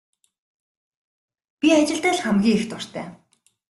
Би ажилдаа л хамгийн их дуртай.